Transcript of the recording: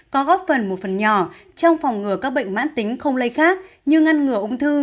có góp phần một phần nhỏ trong phòng ngừa các bệnh mãn tính không lây khác như ngăn ngừa ung thư